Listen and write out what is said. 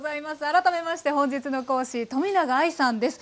改めまして本日の講師冨永愛さんです。